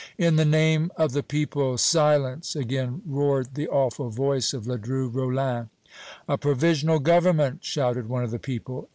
"In the name of the people, silence!" again roared the awful voice of Ledru Rollin. "A provisional government!" shouted one of the people.